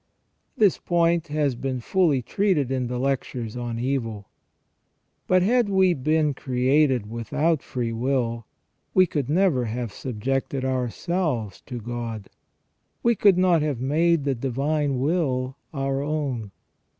This point has been fully treated in the lectures on evil. But had we been created without free will, we could never have subjected ourselves to God. We could not have made the divine will our own.